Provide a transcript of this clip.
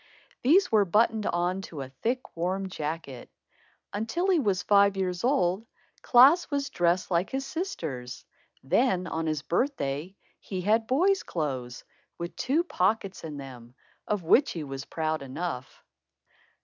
These were buttoned on to a thick warm jacket. Until he was five years old, Klaas was dressed like his sisters. Then, on his birthday, he had boy's clothes, with two pockets in them, of which he was proud enough.